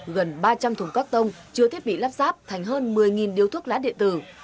gần ba trăm linh thùng các tông chứa thiết bị lắp sáp thành hơn một mươi điếu thuốc lá điện tử